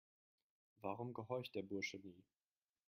Warum gehorcht der Bursche nie?